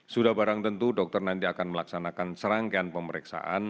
sudah barang tentu dokter nanti akan melaksanakan serangkaian pemeriksaan